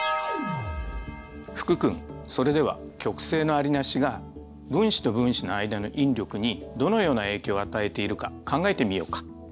福君それでは極性のありなしが分子と分子の間の引力にどのような影響を与えているか考えてみようか。